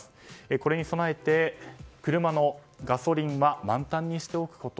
これに備えて車のガソリンは満タンにしておくこと。